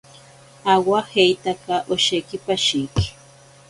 Awajeitaka osheki pashiki.